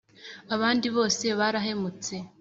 abandi bose barahemutse;